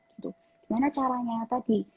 gitu gimana caranya tadi